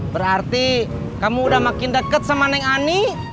berarti kamu udah makin dekat sama neng ani